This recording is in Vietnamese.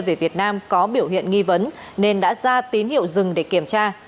về việt nam có biểu hiện nghi vấn nên đã ra tín hiệu dừng để kiểm tra